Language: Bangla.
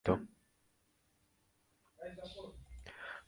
মোটা থান চাদরে মাথা বেষ্টন করে সমস্ত দেহ সংবৃত।